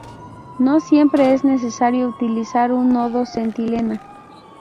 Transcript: No siempre es necesario utilizar un nodo centinela.